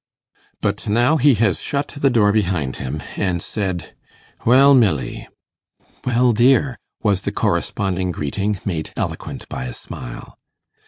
But now he has shut the door behind him, and said, 'Well, Milly!' 'Well, dear!' was the corresponding greeting, made eloquent by a smile.